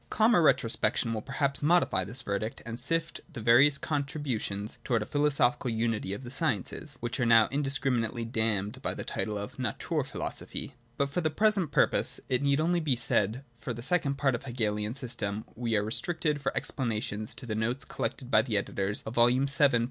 Calmer retrospection will perhaps modify this verdict, and sift the various contri xii THE THREE PREFACES butions (towards a philosophical unity of the sciences) which are now indiscriminately damned by the title of Naturphilosophie. For the present purpose it need only be said that, for the second part of the Hegelian system, we are restricted for explanations to the notes collected by the editors of Vol. VII.